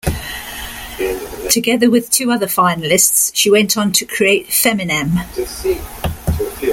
Together with two other finalists, she went on to create Feminnem.